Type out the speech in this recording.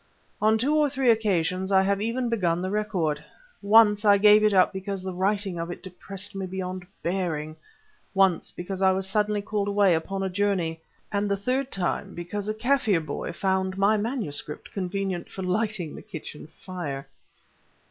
On two or three occasions I have even begun the record. Once I gave it up because the writing of it depressed me beyond bearing, once because I was suddenly called away upon a journey, and the third time because a Kaffir boy found my manuscript convenient for lighting the kitchen fire.